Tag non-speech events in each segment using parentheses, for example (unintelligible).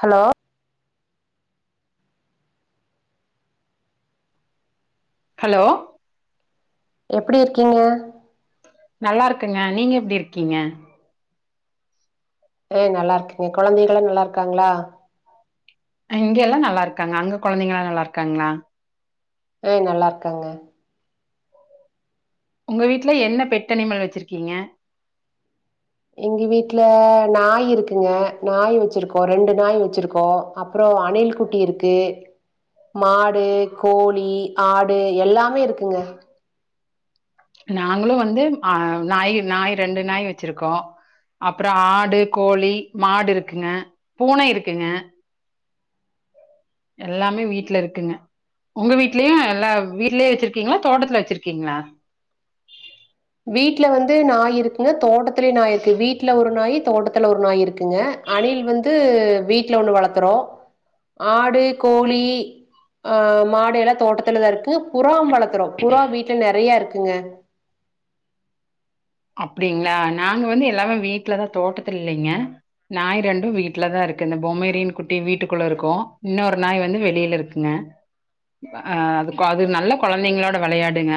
hello hello எப்படி இருக்கீங்க நல்லா இருக்கங்க நீங்க எப்டி இருக்கீங்க அ நல்லா இருக்கங்க கொழந்தைகளா நல்லா இருக்காங்களா இங்க எல்லா நல்லா இருக்காங்க அங்க கொழந்தைங்கலா நல்லா இருக்காங்களா அ நல்லாயிருக்காங்க உங்க வீட்ல என்ன பெட்டனிமல் வச்சிருக்கீங்க எங்க வீட்ல நாய் இருக்குங்க நாய் வச்சிருக்கோ ரெண்டு நாய் வச்சிருக்கோ அப்பறோ அணில் குட்டி இருக்கு மாடு கோழி ஆடு எல்லாமே இருக்குங்க நாங்களு வந்து ஆ நாய் நாய் ரெண்டு நாய் வச்சிருக்கோ அப்பற ஆடு கோழி மாடு இருக்குங்க பூனை இருக்குங்க எல்லாமே வீட்ல இருக்குங்க உங்க வீட்லயு எல்லா வீட்லயே வச்சிருக்கீங்களா தோட்டத்துல வச்சிருக்கீங்களா வீட்ல வந்து நாய் இருக்குங்க தோட்டத்திலயு நாய் இருக்கு வீட்ல ஒரு நாய் தோட்டத்து த்தல ஒரு நாய் இருக்குங்க அணில் வந்து வீட்ல ஒண்ணு வளத்துறோ ஆடு கோழி ஆ மாடு எல்லா தோட்டத்துலதா இருக்கு புறாவு வள க்குறோ புறா வீட்ல நெறய இருக்குங்க அப்படிங்ளா நாங்க வந்து எல்லாமே வீட்லதா தோட்டத்துல இல்லங்க நாய் ரெண்டு வீட்லதா இருக்கு இந்த பொம்மரின் குட்டி வீட்டுக்குள்ள இருக்கு இன்னொரு நாய் வந்து வெளில இருக்கு ங்க அ அது அது நல்ல கொழந்தைங்களோட விளையாடுங்க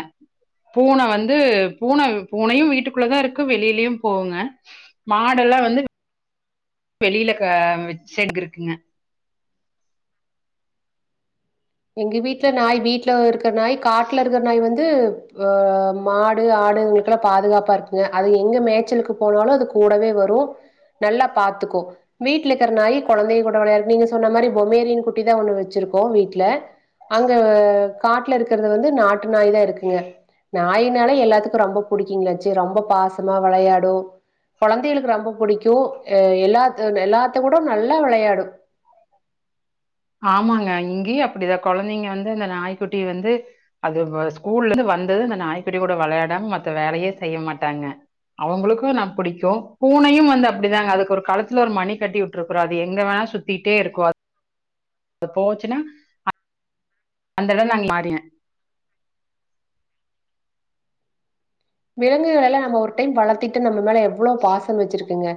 பூன வந்து பூன பூனையு வீட் டுக்குள்ள தா இருக்கு வெளிலயு போவுங்க மாடெல்லா வந்து வெளிலக வெட்ஸாக் இருக்குங்க எங்க வீட்ல நாய் வீட்ல இருக்கிற நாய் காட்ல இருக்கிற நாய் வந்து அ மாடு ஆடுங்களுக்குல்லா பாதுகாப்பா இருக்குங்க அது எங்க மேச்சலுக்கு போனாலு அது கூடவே வரு நல்லா பாத்துக்கு வீட்ல இருக்கிற நாய் கொழந்தைக கூட விளையாடு நீங்க சொன்ன மாரி பொமேரியன் குட்டி தா ஒன்னு வச்சிருக்கோ வீட்ல அங்க காட்ல இருக்குறது வந்து நாட்டு நாய்தா இருக்குங்க நாயினால எல்லாத்துக்கு ரொம்ப புடிக்குங்களாச்சே ரொம்ப பாசமா வெளையாடு கொழந்தைகளுக்கு ரொம்ப பிடிக்குஅ எல்லா எல்லாத்து கூட நல்லா வெளையாடு (inaudible) (unintelligible) ஆமாங்க இங்கயு அப்டிதா கொழந்தைங்க வந்து இந்த நாய்க்குட்டி வந்து அது ஸ்கூல்லருந்து வந்தது இந்த நாய்குட்டி கூட வெளாடாம மத்த வேலயே செய்ய மாட்டாங்க அவங்களுக்கும் நா புடிக்கு பூனயு வந்து அப் அப்டிதாங்க அதுக்கு ஒரு கழுத்துல ஒரு மணி கட்டி விட்ருக்றோ அது எங்க வேணா சுத்திட்டேருக்கு அது அது போச்சுன்னா அந்த இடம் நாங்க மாறின விலங்குகளல்லா நம்ம ஒரு டைம் வளத்திட்டு நம்ம மேல எவ்ளோ பாசம் வச்சிருக்குங்க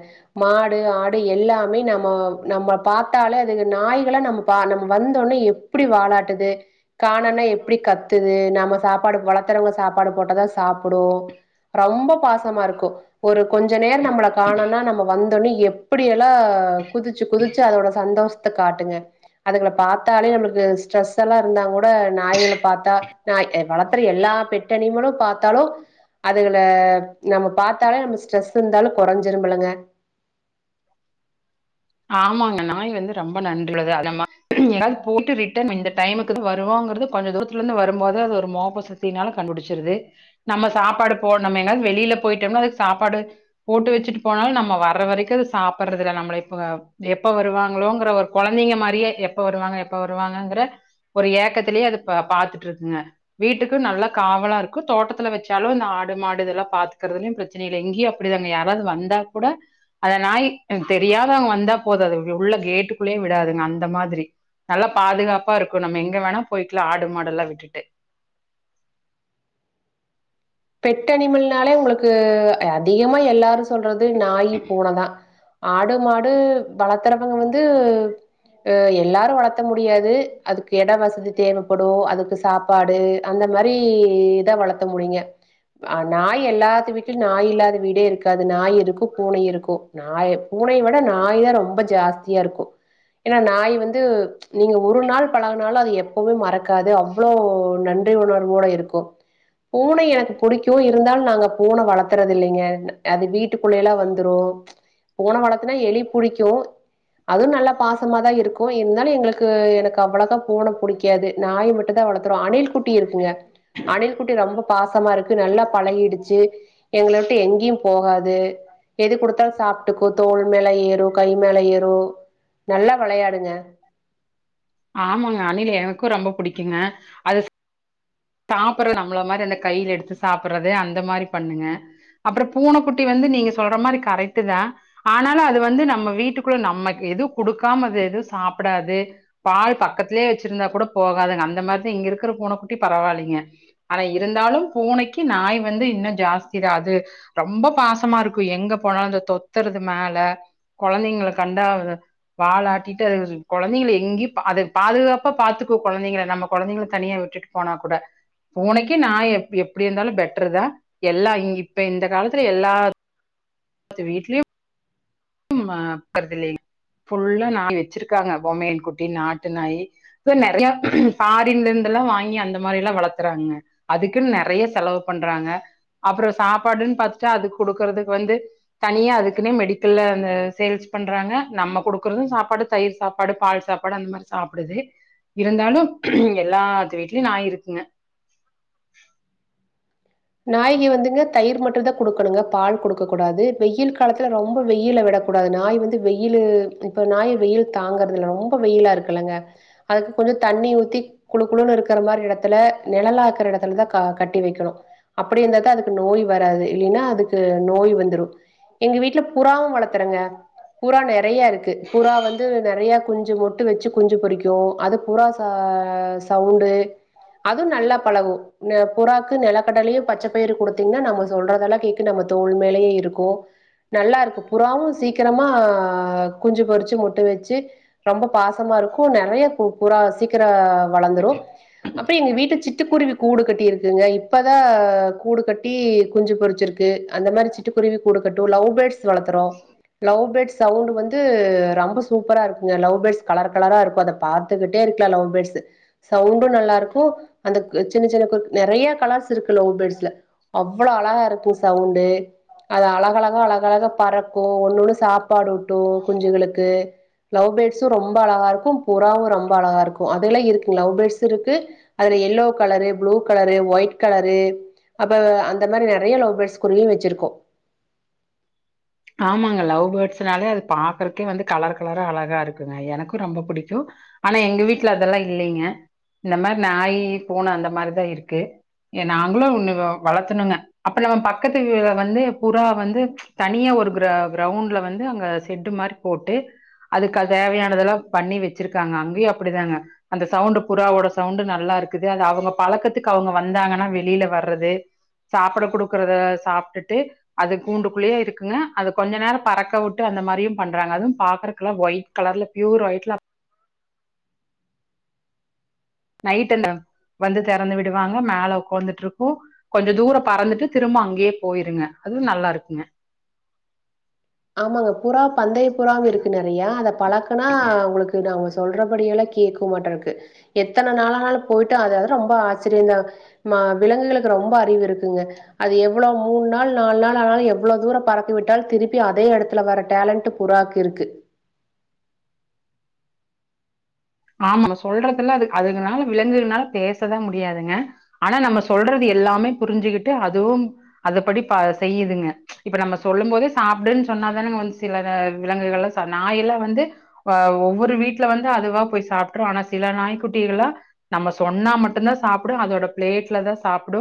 மாடு ஆடு யெல்லாமே நம்ம நம்ம பாத்தாலே அதுக்கு நாய்களா நம்ம பா நம்ம வந்தோனே எப்டி வாலாட்டுது காணன்னா எப்டி கத்துது நம்ம சாப்பாடு வளத்தறவங்க சாப்பாடு போட்டதா சாப்டு ரொம்ப பாசமாருக்கு ஒரு கொஞ்சோ நேர நம்மள காணோனா நம்ம வந் தோன எப்படியல்லா குதிச்சு குதிச்சு அதோட சந்தோஷத்த காட்டுங்க அதுகள பாத்தாலே நம்மளுக்கு ஸ்ட்ரெஸ் எல்லா இருந்தா கூட நாய்கள பாத்தா நாய் வளத்தர எல்லா பெட்டனிமலு பாத்தாலு அதுல நம்ம பாத்தாலே நம்ம ஸ்ட்ரெஸ்ருந்தாலு கொறைஞ்சிருமில்லங்க ஆமாங்க நாய் வந்து ரொம்ப நன்றி உள்ளது அத (inaudible) போயிட்டு ரிட்டன் இந்த டைமுக்கு தா வருவோங்கறது கொஞ்ச தூரத் லருந்து வருபோது அது ஒரு மோப்ப சக்தினால கண்டுபிடிச்சிருது நம்ம சாப்பாடு போட்ணுமேனா வெளில போய்ட்டம்னா அது சாப்பாடு போட்டு வச்சுட்டு போனாலு நம்ம வர்ற வரைக்கு அத சாப்ட்றதில்ல நம்மளை எப்ப எப்ப வருவாங்களோங்ற ஒரு கொழந்தைங்க மாரியே எப்ப வருவாங்க எப்ப வருவாங்கங்ற ஒரு ஏக்கத்திலேயே அது பாத்துட்டுருக்குங்க வீட்டுக்கு நல்லா காவலாருக்கு தோட்டத்துல வெச்சாலு இந்த ஆடு மாடு இதெல்லா பாத்துக்கறதுலயு பிரச் சனை இல்ல இங்கேயு அப்டிதாங்க யாராவது வந்தா கூட அதநாய் அ தெரியா ங்க வந்தா போதாது உள்ள கேட்டுக்குள்ளே விடாதுங்க அந்த மாதிரி நல்லா பாதுகாப்பாருக்கு நம்ம எங்க வேணா போய்க்லா ஆடு மாடல்லா விட்டுட்டு பெட் அனிமல்னாலே உங்களுக்கு அதிகமா எல்லாரு சொல்றது நாய் பூன தா ஆடு மாடு வளத்தறவங்க வந்து அ எல்லாரு வளத்த முடியாது அதுக்கு எட வசதி தேவப்படு அதுக்கு சாப் சபாடு அந்த மாரி இத வளத்த முடியுங்க அ நாய் எல்லாத்து வீட்லு நாய் இல்லாத வீடே இருக்காது நாய் இருக்கு பூனை இருக்கு நாய் பூனைய விட நாய் தா ரொம்ப ஜாஸ்தியாருக்கு ஏனா நாய் வந்து நீங்க ஒரு நாள் பழகனாலு அது எப்பவுமே மறக்காது அவ்ளோவ் நன்றி உணர்வோட இருக்கு பூனை எனக்கு புடிக்கு இருந்தாலு நாங்க பூன வளத்துறது இல்லைங்க அது வீட்டுக்குள்ளேல்லா வந்துரு பூன வளத்துனா எலி புடிக்கு அதுவு நல்லா பாசமாதா இருக்கு இருந்தாலு எங்களுக்கு எனக்கு அவ்ளக்கா பூன புடிக் காது நாய் மட்டுந்தா வளத்துறோ அணில் குட்டியிருக்குங்க அணில் குட்டி ரொம்ப பாசமாருக் கு நல்லா பழகிடுச்சு எங்கள விட்டு எங்கேயு போகாது எது குடுத்தாலு சாப்ட்டுக்கு தோல் மேல ஏறு கை மேல ஏறு நல்லா வெளையாடுங்க ஆமாங்க அணிலு எனக்கு ரொம்ப புடிக்குங்க அது சாப்பர்றது நம்மள மாரி அந்த கையில எடுத்து சாப்பட்டுறது அந்த மாரி பண்ணுங்க அப்புறோ பூனைக்குட்டி வந்து நீங்க சொல்ற மாரி கரெக்ட்டு தா ஆனாலு அது வந்து நம்ம வீட்டுக்குள்ள நம்ம எது குடுக்காம அது எது சாப்டாது பால் பக்கத்திலேயே வச்சிருந்தா கூட போகாதுங்க அந்த மாரி இங்கருக்குற பூனக்குட்டி பரவாயில்லிங்க ஆனா இருந்தாலு பூனைக்கி நாய் வந்து இன்னு ஜாஸ்தி தா அது ரொம்ப பாசமாருக்கு எங்க போனாலு அந்த தொத்துறது மேல கொழந்தைங்கள கண்டா வாலாட்டிட்டு அது கொழந்தைங்கள எங்கேயு நா அது பாதுகாப்பா பாத்துக்கு கொழந்தைங்கள நம்ம கொழந்தைங்கள தனியா விட்டுட்டு போனாக்கூட பூனைக்கி நாய் எப் எப்பிடி இருந்தாலு பெட்டரு தா எல்லா இப்ப இந்த காலத்துல எல்லா த்து வீட்லியு ம் ம பக்கதுலே ஃபுல்லா நாய் வச்சிருக்காங்க பொம்மையன் குட்டி நாட்டு நாய் இப்ப நெறையா ஃபாரின்லேந்துல்லா வாங்கி அந்த மாதிரில்லா வளத்துறாங்கங்க அதுக்குன்னு நறைய செலவு பண்றாங்க அப்புறோ சாப்பாடுன்னு பாத்துட்டா அதுக்கு குடுக்கறதுக்கு வந்து தனியா அதுக்குனே மெடி க்கல்ல அந்த சேல்ஸ் பண்றாங்க நம்ம கொடுக்கறது சாப்பாடு தயிர் சாப்பாடு பால் சாப்பாடு அந்த மாதிரி சாப்பிடுது இருந்தாலு எல்லாத்து வீட்லயு நாய் இருக்குங்க நாய்கி வந்துங்க தயிர் மட்டு்தா குடுக்கணுங்க பால் குடுக்க கூடாது வெயில் காலத்துல ரொம்ப வெயில்ல விட கூடாது நாய் வந்து வெயிலு இப்ப நாய் வெயில் தாங்கறதுல்லங்க ரொம்ப வெயிலாருக்குல்லங்க அதுக்கு கொஞ்சோ தண்ணி ஊத்தி குளு குளுனு இருக்கிற மாரி எடத்துல நெலலாக்குற எடத்துல தா கட்டி வைக்கணு அப்படி இருந்தாதா அதுக்கு நோய் வராது இல்லினா அதுக்கு நோய் வந்துரு எங்க வீட்ல புறாவு வளத்துறங்க புறா நெறைய இருக்கு புறா வந்து நெறையா குஞ்சு போட்டு வச்சு குஞ்சு பொரிக்கு அதுப் புறா ச சவுண்டு அதுவு நல்ல பழகு புறாக்கு நெலக்கடலையு பச்ச பயரு குடுத்தீங்னா நம்ம சொல்றதெல்லா கேக்கு நம்ம தோல் மேலயே இருக்கு நல்லாருக்கு புறாவு சீக்கிரமா குஞ்சு பொறிச்சு முட் ட வச்சு ரொம்ப பாசமாருக்கு நறைய புறா சீக்கிரோ வளந்துரு அப்புறோ எங்க வீட்டு சிட்டுக்குருவி கூடு கட்டிருக்குங்க இப்பதா அ கூடு கட்டி குஞ்சு பொரிச்சிருக்கு அந்த மாரி சிட்டுக்குருவி கூடு கட்டு லவ் பேட்ஸ் வளத்துறோ லவ் பேட் சவுண்டு வந்து ரா ரொம்ப சூப்பரா இருக்குங்க லவ் பேட்ஸ் கலர் கலரா இருக்கு அத பாத்துகிட்டே இருக்கலா லவ் பேட்ஸ் சவுண்டு நல்லா இருக்கு அந்த சின்ன சின்ன கு நெறைய கலர்ஸ் இருக் லவ் பேட்ஸ்ல அவ்ளோ அழகா இருக்கு சவுண்டு அது அழகழகா அழகழகா பறக்கு ஒண்ணு ஒண்ணு சாப்பாடு ஊட்டு குஞ்சுகளுக்கு லவ் பேட்ஸு ரொம்ப அழகா இருக்கு புறாவு ரொம்ப அழகா இருக்கு அதெல்லா இருக்கு லவ் பேட்ஸ் இருக்கு அதுல yellow colour blue colour white colour து அப்ப அந்த மாரி நெறைய லவ் பேட்ஸ் குருவியு வச்சிருக்கோ ஆமாங்க லவ் பேட்ஸ்னாலே அது பாக்கறக்கே வந்து கலர் கலரா அழகா இருக்குங்க எனக்கு ரொம்ப புடிக்கு ஆனா எங்க வீட்ல அதெல்லா இல்லைங்க இந்த மாரி நாய் பூனை அந்த மாரிதா இருக்கு ஏ நாங்களு ஒன்னு வளத்தணுங்க அப்ப நம்ம பக்கத்து வந்து புறா வந்து தனியா ஒரு கிர கிரௌண்ட்ல வந்து அங்க செட்டு மாரி போட்டு அதுக்கு அது தேவையானதெல்லா பண்ணி வச்சிருக்காங்க அங்கயு அப்படிதாங்க அந்த சவுண்டு புறாவோட சவுண்டு நல்லா இருக்குது அது அவங்க பழக்கத்துக்கு அவங்க வந்தாங்கனா வெளியில வர்றது சாப்பிட குடுக்குறத சாப்ட்டுட்டு அது கூண்டுக்குள்ளியா இருக்குங்க அது கொஞ்ச நேரம் பறக்க வுட்டு அந்த மாரியு பண்றாங்க அதுவு பாக்குறக்குல ஒயிட் கலர்ல பியூர் ஒயிட்ல நைட்டனம் வந்து திறந்து விடுவாங்க மேல உக்காந்துட்ருக்கு கொஞ்ச தூர பறந்துட்டு திரும்ப அங்கேயே போயிருங்க அதுவு நல்லா இருக்குங்க ஆமாங்க புறா பந்தய புறாம் இருக்கு நெறையா அத பழக்குனா உங்களுக்கு அவங்க சொல்றபடி எல்லா கேக்குமாட்ருக்கு எத்தன நாளானாலு போயிட்டு அதாது ரொம்ப ஆச்சரியந்தா மா விலங்குகளுக்கு ரொம்ப அறிவு இருக்குங்க அது எவ்ளோ மூண் நாள் நால் நாள் ஆனாலு எவ்ளோ தூர பறக்க விட்டாலு திருப் பி அதே எடத்துல வர டேலண்ட் புறாக்கு இருக்கு ஆமா நம்ம சொல்றதுல அது அதுக்குனால விலங்குதுனால பேசதா முடியாதுங்க ஆனா நம்ம சொல்றது எல்லாமே புரிஞ்சுக்கிட்டு அதுவும் அத படி பா செய்யுதுங்க இப்ப நம்ம சொல்லும் போதே சாப்டுன் சொன்னாதானங்க வந்து சில விலங்குகள் எலா நாயல்லா வந்து அ ஒவ்வொரு வீட்ல வந்து அதுவா போய் சாப்ட்று ஆனா சில நாய்க்குட்டிகளா நம்ம சொன்னா மட்டுந்தா சாப்புடு அதோட பிளேட்ல தா சாப்புடு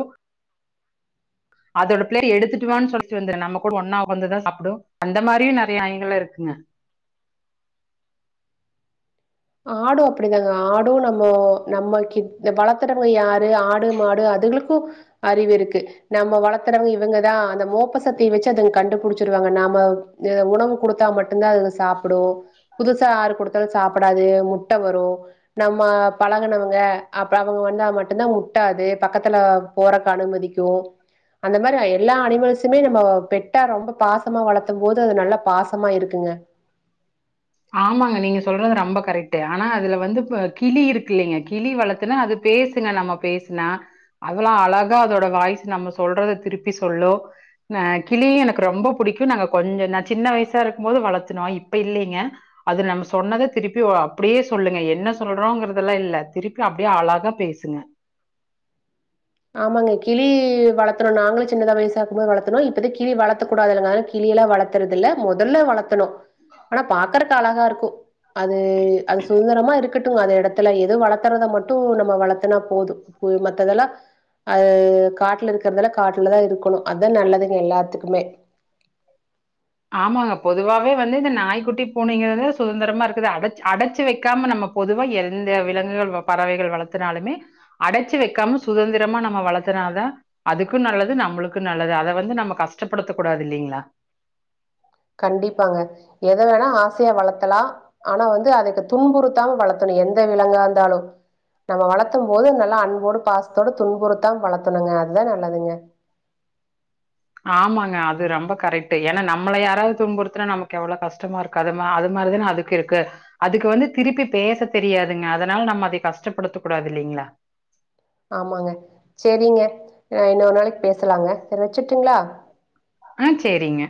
(inaudible) அதோட பிள்ளைய எடுத்துட்டுவான் சொல்லிட் வந்துரு நம்ம கூட ஒன்னா உக்காந்துதா சாப்பிடு அந்த மாரியும் நெறய நாய்ங்கலா இருக்குங்க ஆடு அப்டிதாங்க ஆடு நம்ம நம்மக்கி வளத்துறவங்க யாரு ஆடு மாடு அதுகளுக்கு அறிவு இருக்கு நம்ம வளத்துறவங்க இவங்கதா அந்த மோப்ப சத்திய வச்சு அதுங்க கண்டுபுடிச்சிருவாங்க நாம உணவு குடுத்தா மட்டு தா அதுக சாப்புடு புதுசா ஆறு குடுத்தாலு சாப் படாது முட்ட வரு நம்ம பழகனவங்க அப்பற அவங்க வந்தா மட்டுந்தா முட்டாது பக்கத்துல போறக்கு அனுமதிக்கு அந்த மாரி எல்லா அனிமல்ஸுமே நம்ம பெட்டா ரொம்ப பாசமா வளத்தும் போது அது நல்லா பாச சமா இருக்குங்க ஆமாங்க நீங்க சொல்றது ரொம்ப கரெக்ட் ஆனா அதுல வந்து கிளி இருக்கு இல்லைங்க கிளி வளர்த்துன்னா அது பேசுங்க நம்ம பேசுனா அதெல்லா அழகா அதோட வாய்ஸ் நம்ம சொல்றத திருப்பி சொல்லோ நா கிளியு எனக்கு ரொம்ப பிடிக்கு நாங்க கொஞ்ச நா சின்ன வயசா இருக்கும் போது வளத்துனோ இப்ப இல்லைங்க அது நம்ம சொன்னத திருப்பி அப்டியே சொல்லுங்க என்ன சொல்றோங்கிறதெல்லா இல்ல திருப்பி அப்டியே அழாகா பேசுங்க ஆமாங்க கிளி வளத்தணு நாங்களு சின்த வயசாக்கும் போது வளத்துணோ இப்பத கிளி வளத்தக் கூடாதில்லங்க அத கிளில்லா வளத்தறதில்ல மொதல்ல வளத்துணோ ஆனா பாக்கறக்கு அழகா இருக்கு அது அது சுதந்திரமா இருக் க்கட்டுங்க அது எடத்துல எது வளர்த்தறத மட்டு நம்ம வளத்துனா போது மத்ததெல்லா அது காட்ல இருக்கறதல காட்ல தா இருக்கணு அதுதா நல்லதுங்க எல்லாத்துக்குமே ஆமாங்க பொதுவாவே வந்து இந்த நாய்க்குட்டி பூனைங்கிறது சுதந்திரமா இருக்குது அடச் அடச்சு வைக்காம நம்ம பொதுவா எந்த விலங்குகள் பறவைகள் வளத்துனாலுமே அடச்சு வைக்காம சுதந்திரமா நம்ம வளத்துனாதா அதுக்கு நல்லது நம்மளுக்கு நல்லது அத வந்து நம்ம கஷ்டப்படுத்த கூடாது இல்லைங்ளா கண்டிப்பாங்க எத வேணா ஆசையா வளத்தலா ஆனா வந்து அதைக்கு துன்புறுத்தாம வளத்தணு எந்த விலங்கா இருந்தாலு நம்ம வளத்தும் போது நல்லா அன்போடு பாசத்தோடு துன்புறுத்தாம வளத்தனுங்க அதுதா நல்லதுங்க ஆமாங்க அது ரொம்ப கரெக்ட்டு ஏனா நம்மல யாராவது துன்புறதுனா நமக்கு எவ்ள கஷ்டமா இருக்கு கதமா அது மாரிதானே அதுக்கு இருக்கு அதுக்கு வந்து திருப்பி பேச தெரியாதுங்க அதனால நம்ம அதை கஷ்டப்படுத்த கூடாது இல்லைங்ளா ஆமாங்க செரிங்க இன்னொரு நாளைக்கி பேசலாங்க செரி வச்சுட்டுங்ளா ஆ சேரிங்க